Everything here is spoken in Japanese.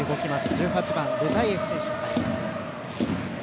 １８番、ルタイエフ選手が入ります。